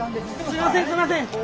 すいません！